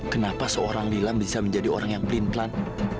kenapa seorang dilam bisa menjadi orang yang pelin pelan